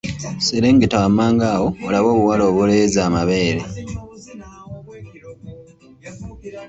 Serengeta wammanga awo olabe obuwala obuleeze amabeere.